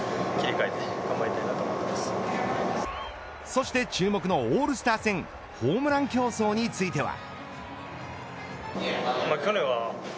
そして注目のオールスター戦ホームラン競争については。